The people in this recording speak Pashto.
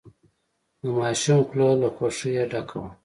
د ماشوم خوله له خوښۍ ډکه وه.